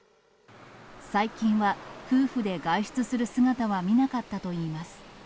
最近は、夫婦で外出する姿は見なかったといいます。